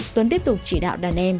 tuấn tiếp tục chỉ đạo đàn em